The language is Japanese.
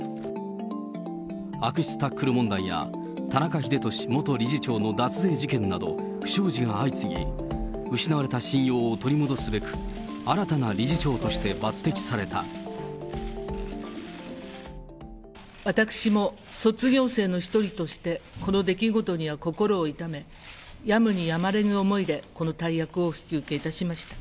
悪質タックル問題や、田中英寿元理事長の脱税事件など不祥事が相次ぎ、失われた信用を取り戻すべく、新たな理事長として抜私も卒業生の一人として、この出来事には心を痛め、やむにやまれぬ思いでこの大役をお引き受けいたしました。